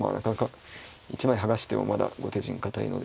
１枚剥がしてもまだ後手陣堅いので。